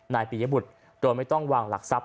ปียบุตรโดยไม่ต้องวางหลักทรัพย